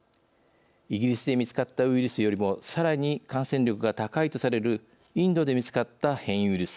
イギリスで見つかったウイルスよりもさらに感染力が高いとされるインドで見つかった変異ウイルス。